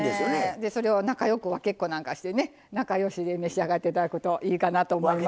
でそれを仲よく分けっこなんかしてね仲よしで召し上がって頂くといいかなと思います。